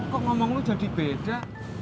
kok ngomong lu jadi beda